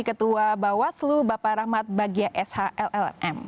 ketua bawaslu bapak rahmat bagia sh llm